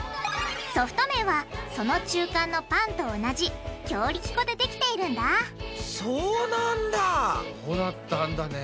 ソフト麺はその中間のパンと同じ強力粉でできているんだそうなんだ！